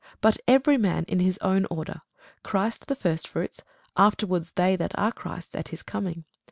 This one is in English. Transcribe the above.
But every man in his own order: Christ the firstfruits; afterward they that are Christ's at his coming.